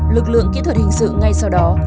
lực lượng kỹ thuật hình sự ngay sau đó